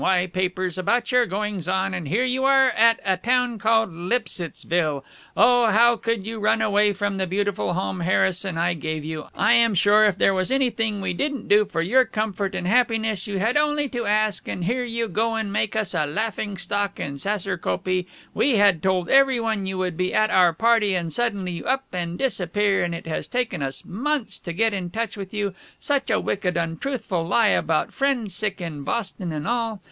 Y. papers about your goings on and hear you are at a town called Lipsittsville, oh how could you run away from the beautiful home Harris & I gave you, I am sure if there was anything we didn't do for y'r comfort & happiness you had only to ask & here you go and make us a laughing stock in Saserkopee, we had told everyone you would be at our party & suddenly you up & disappear & it has taken us months to get in touch with you, such a wicked, untruthful lie about friend sick in Boston & all.